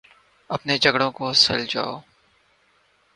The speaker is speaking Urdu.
اپنے جھگڑوں کو سلجھاؤ۔